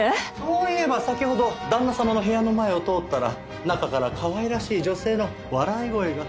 そういえば先ほど旦那様の部屋の前を通ったら中からかわいらしい女性の笑い声が。